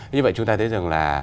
như vậy chúng ta thấy rằng là